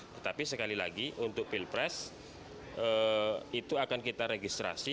tetapi sekali lagi untuk pilpres itu akan kita registrasi